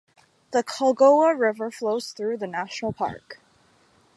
The Culgoa River flows through the national park.